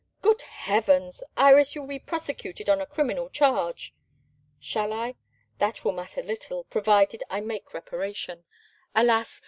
"Good Heavens! Iris, you will be prosecuted on a criminal charge." "Shall I? That will matter little, provided I make reparation. Alas!